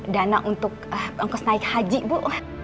dana untuk ongkos naik haji bu